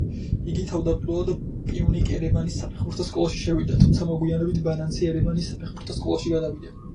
იგი თავდაპირველად პიუნიკ ერევანის საფეხბურთო სკოლაში შევიდა, თუმცა მოგვიანებით ბანანცი ერევანის საფეხბურთო სკოლაში გადავიდა.